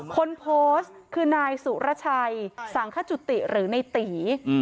คนโพสต์คือนายสุรชัยสคหรือนายตี๋